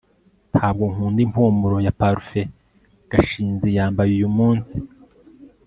ntabwo nkunda impumuro ya parufe gashinzi yambaye uyumunsi